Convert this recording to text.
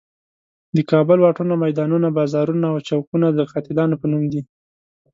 د کابل واټونه، میدانونه، بازارونه او چوکونه د قاتلانو په نوم دي.